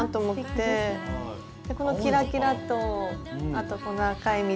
このキラキラとあとこの赤い実と。